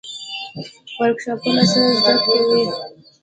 ورکشاپونه څه زده کوي؟